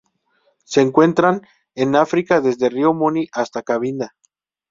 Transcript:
Se encuentran en África: desde Río Muni hasta Cabinda.